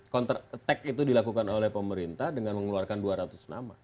counter attack itu dilakukan oleh pemerintah dengan mengeluarkan dua ratus nama